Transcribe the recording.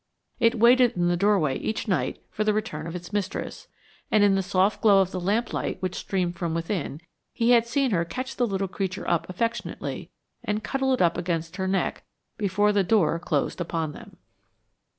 It waited in the doorway each night for the return of its mistress, and in the soft glow of the lamplight which streamed from within, he had seen her catch the little creature up affectionately and cuddle it up against her neck before the door closed upon them.